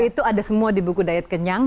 itu ada semua di buku diet kenyang